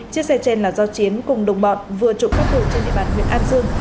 chiếc xe trên là do chiến cùng đồng bọn vừa trộm cắp tù trên địa bàn nguyễn an dương